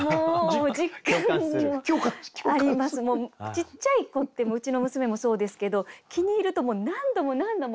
ちっちゃい子ってうちの娘もそうですけど気に入ると何度も何度も。